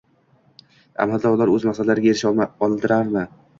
Amalda ular oʻz maqsadlariga erisha oldilarmi?